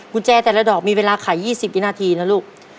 กุญแจแต่ละดอกมีเวลาไข่ยี่สิบกี่นาทีนะลูก